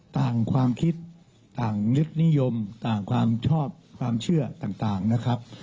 ความคิดต่างยึดนิยมต่างความชอบความเชื่อต่างนะครับ